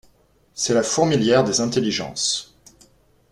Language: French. C’est la fourmilière des intelligences.